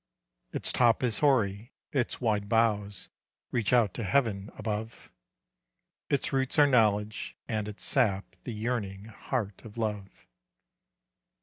Its top is hoary, its wide boughs Reach out to heaven above, Its roots are knowledge, and its sap The yearning heart of love.